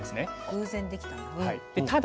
偶然できたんだ。